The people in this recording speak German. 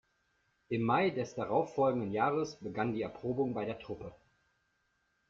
Im Mai des darauffolgenden Jahres begann die Erprobung bei der Truppe.